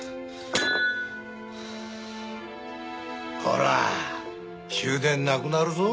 ほら終電なくなるぞ。